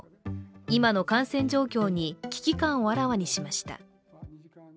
今の感染状況に危機感をあらわにしました。